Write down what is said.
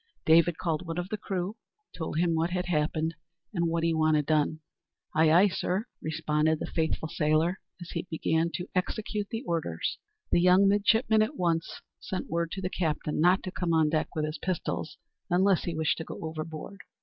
David called one of the crew, told him what had happened, and what he wanted done. "Aye, aye, sir!" responded the faithful sailor, as he began to execute the orders. The young midshipman at once sent word to the captain not to come on deck with his pistols unless he wished to go overboard.